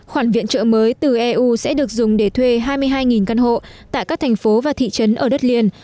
khoản viện trợ mới từ eu sẽ được dùng để thuê hai mươi hai căn hộ tại các thành phố và thị trấn ở đất liền